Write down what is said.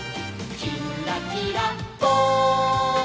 「きんらきらぽん」